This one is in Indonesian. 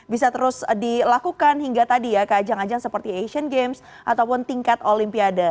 bisa terus dilakukan hingga tadi ya ke ajang ajang seperti asian games ataupun tingkat olimpiade